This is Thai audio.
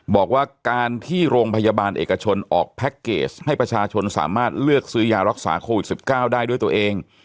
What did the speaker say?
บอกว่าการที่โรงพยาบาลเอกชนออกแพ็คเกจให้ประชาชนสามารถเลือกซื้อยารักษาโควิด๑๙ได้ด้วยตัวเอง